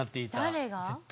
誰が？